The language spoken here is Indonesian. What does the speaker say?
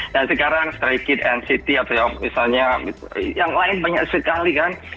dan sekarang stray kids and city atau misalnya yang lain banyak sekali kan